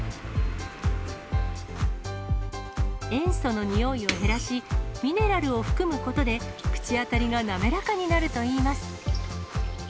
塩素のにおいを減らし、ミネラルを含むことで、口当たりが滑らかになるといいます。